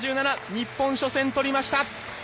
日本、初戦とりました。